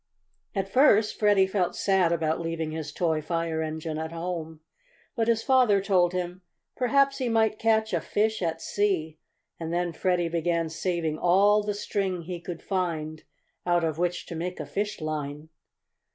At first Freddie felt sad about leaving his toy fire engine at home, but his father told him perhaps he might catch a fish at sea, and then Freddie began saving all the string he could find out of which to make a fish line.